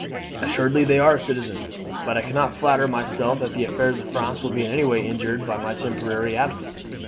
"Assuredly they are, citizen; but I cannot flatter myself that the affairs of France will be in any way injured by my temporary absence.